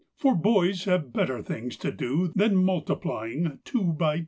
For boys have better things to do Than multiplying two by two!